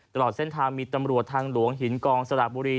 ตลอดเส้นทางมีตำรวจทางหลวงหินกองสระบุรี